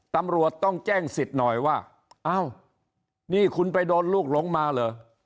ตำรวจต้องแจ้งสิทธิ์หน่อยว่าอ้าวนี่คุณไปโดนลูกหลงมาเหรอ